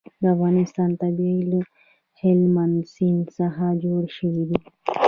د افغانستان طبیعت له هلمند سیند څخه جوړ شوی دی.